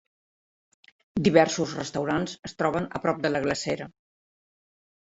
Diversos restaurants es troben a prop de la glacera.